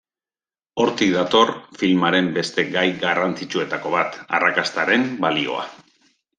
Hortik dator, filmaren beste gai garrantzitsuetako bat, arrakastaren balioa.